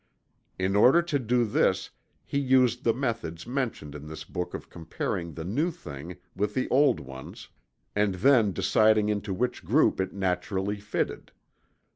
In order to do this he used the methods mentioned in this book of comparing the new thing with the old ones, and then deciding into which group it naturally fitted.